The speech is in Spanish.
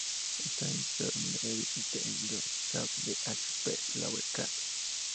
Está inspirado de manera evidente en Yog-Sothoth de H. P. Lovecraft.